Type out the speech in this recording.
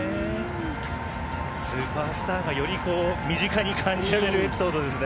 スーパースターがより身近に感じられるエピソードですね。